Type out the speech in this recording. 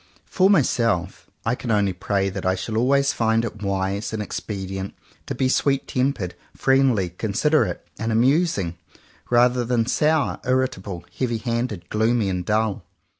For myself, I can only pray that I shall always find it wise and expedient to be sweet tempered, friendly, considerate, and amusing; rather than sour, irritable, heavy handed, gloomy, and dull.